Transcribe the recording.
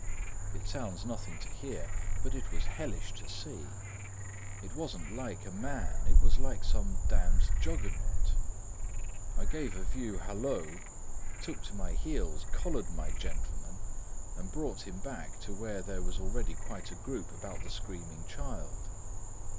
It sounds nothing to hear, but it was hellish to see. It wasn't like a man; it was like some damned Juggernaut. I gave a few halloa, took to my heels, collared my gentleman, and brought him back to where there was already quite a group about the screaming child.